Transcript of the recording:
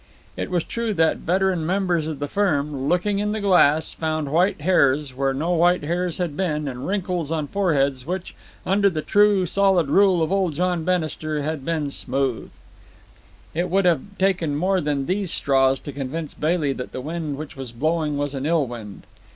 It was true that veteran members of the firm, looking in the glass, found white hairs where no white hairs had been and wrinkles on foreheads which, under the solid rule of old John Bannister, had been smooth; but it would have taken more than these straws to convince Bailey that the wind which was blowing was an ill wind.